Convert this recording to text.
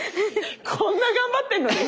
こんな頑張ってんのに。